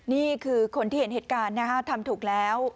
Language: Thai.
นี่คือคนที่เห็นเหตุการณ์นะฮะทำถูกแล้ว